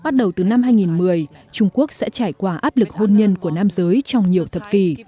bắt đầu từ năm hai nghìn một mươi trung quốc sẽ trải qua áp lực hôn nhân của nam giới trong nhiều thập kỷ